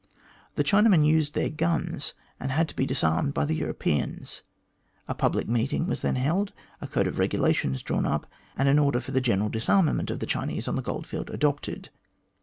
The Chinamen used their guns, and had to be disarmed by the Europeans. A public meeting was then held, a code of regulations drawn up, and an order for the general disarma ment of the Chinese on the goldfield adopted.